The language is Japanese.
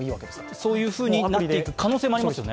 そういうふうになっていく可能性もありますよね。